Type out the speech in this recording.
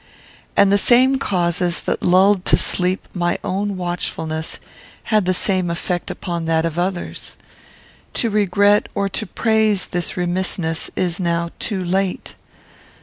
And the same causes that lulled to sleep my own watchfulness had the same effect upon that of others. To regret or to praise this remissness is now too late.